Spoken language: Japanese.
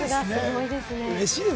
すごいですね。